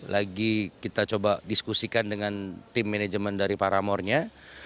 lagi kita coba diskusikan dengan tim manajemen dari paramornya